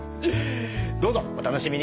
どうぞお楽しみに。